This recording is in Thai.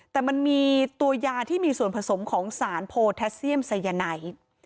แต่มันมีตัวยาที่มีส่วนผสมของสารโพแทสเซียมไซยาไนท์